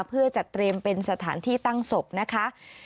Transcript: เพื่อจัดเตรียมเป็นสถานที่ตั้งศพนะคะ